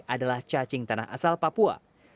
adalah cacing tanah asal papua